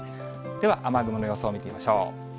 では、雨雲の予想を見てみましょう。